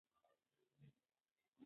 که ثبات وي نو پرمختګ نه دریږي.